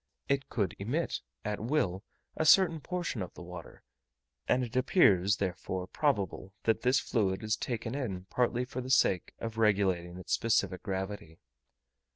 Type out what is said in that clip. It could emit, at will, a certain portion of the water, and it appears, therefore, probable that this fluid is taken in partly for the sake of regulating its specific gravity.